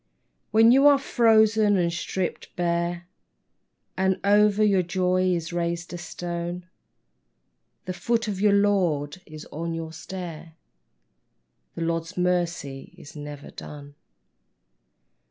When you are frozen and stripped bare And over your joy is raised a stone, The foot of the Lord is on your stair ; The Lord's mercy is never done.